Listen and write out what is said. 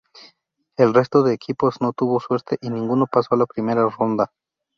El resto de equipos no tuvo suerte y ninguno pasó de la primera ronda.